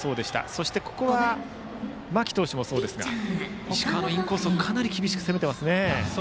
そして、ここは間木投手もそうですが石川のインコースをかなり厳しく攻めていますね。